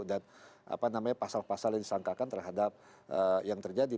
dan apa namanya pasal pasal yang disangkakan terhadap yang terjadi